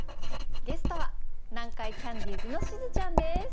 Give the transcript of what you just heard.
ゲストは南海キャンディーズのしずちゃんです。